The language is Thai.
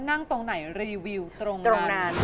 นั่งตรงไหนรีวิวตรงนั้น